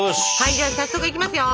じゃあ早速いきますよ。